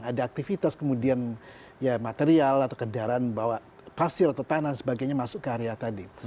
ada aktivitas kemudian ya material atau kendaraan bawa pasir atau tanah dan sebagainya masuk ke area tadi